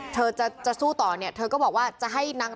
เราเชื่อในพุทธศาสนามีจริง